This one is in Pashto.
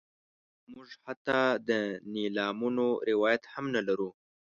موږ حتی د نیلامونو روایت هم نه لرو.